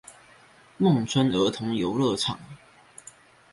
孟春兒童遊樂場